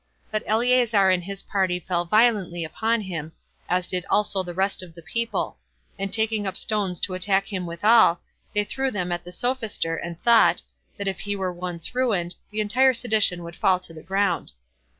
But Eleazar and his party fell violently upon him, as did also the rest of the people; and taking up stones to attack him withal, they threw them at the sophister, and thought, that if he were once ruined, the entire sedition would fall to the ground.